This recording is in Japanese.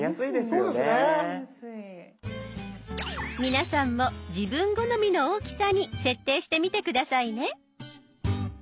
皆さんも自分好みの大きさに設定してみて下さいね。